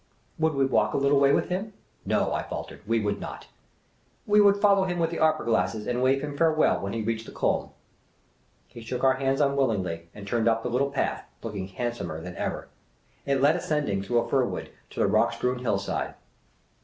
Would we walk a little way with him ? No, I faltered ; we would not. We would follow him with the opera glasses and wave him farewell when he reached the Kulm. He shook our hands unwillingly, and turned up the little path, looking handsomer than ever. It led ascending through a fir wood to the rock strewn hillside.